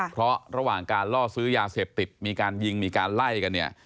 เพราะระหว่างการล่อซื้อยาเสพติดมีการยิงมีการไล่กันเนี่ย